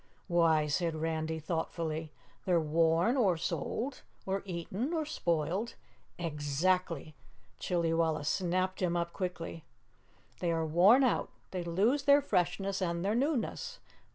"Why," said Randy, thoughtfully, "they're worn, or sold, or eaten, or spoiled " "Exactly." Chillywalla snapped him up quickly. "They are worn out; they lose their freshness and their newness.